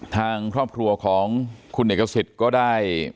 ทางครอบครัวของคุณเหน๊ยเกษตร์ก็ได้